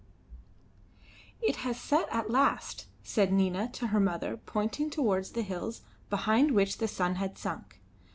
"It has set at last," said Nina to her mother pointing towards the hills behind which the sun had sunk.